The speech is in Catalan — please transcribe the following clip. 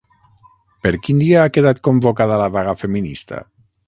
Per quin dia ha quedat convocada la vaga feminista?